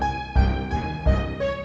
terima kasih bang